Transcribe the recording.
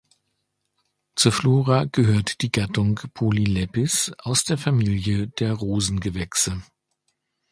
Zur Flora gehört die Gattung "Polylepis" aus der Familie der Rosengewächse.